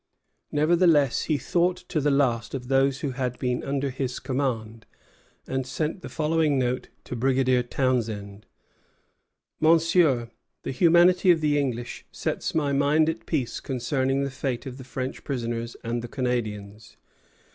Nevertheless he thought to the last of those who had been under his command, and sent the following note to Brigadier Townshend: "Monsieur, the humanity of the English sets my mind at peace concerning the fate of the French prisoners and the Canadians.